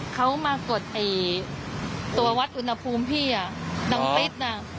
เขามากดไอ้ตัววัดอุณหภูมิพี่อ่ะนางฟิตน่ะ